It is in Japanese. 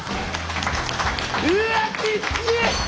うわっきっちい！